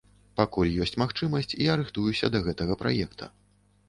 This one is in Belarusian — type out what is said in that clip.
Пакуль ёсць магчымасць, я рыхтуюся да гэтага праекта.